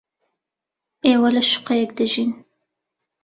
ئێوە لە شوقەیەک دەژین.